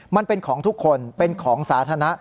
มันเป็นของทุกคนเป็นของสาธารณะ